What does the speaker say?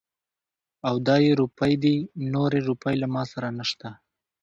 او دا يې روپۍ دي. نورې روپۍ له ما سره نشته.